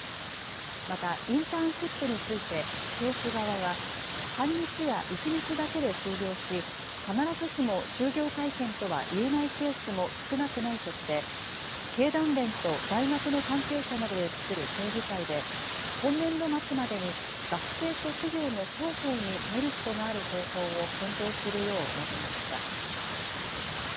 またインターンシップについて政府側は、半日や１日だけで終了し、必ずしも就業体験とはいえないケースも少なくないとして、経団連と大学の関係者などで作る協議会で、今年度末までに学生と企業の双方にメリットがある方法を検討するよう求めました。